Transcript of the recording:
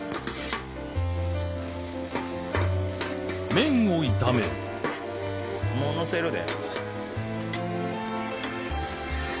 麺を炒めるもうのせるで。